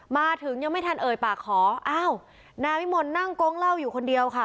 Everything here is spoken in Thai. มาถึงยังไม่ทันเอ่ยปากขออ้าวนายวิมลนั่งโก๊งเหล้าอยู่คนเดียวค่ะ